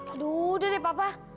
aduh udah deh papa